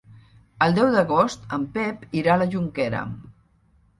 El deu d'agost en Pep irà a la Jonquera.